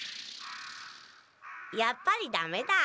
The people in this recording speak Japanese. やっぱりダメだ。